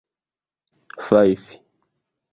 fajfi